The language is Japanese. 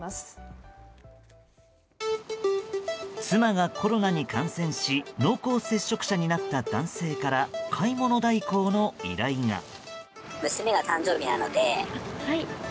妻がコロナに感染し濃厚接触者になった男性から買い物代行の依頼が。